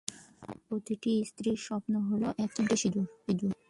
আর প্রতিটি স্ত্রীর স্বপ্ন হলো, এক চিমটি সিঁদুর।